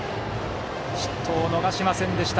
失投を逃しませんでした。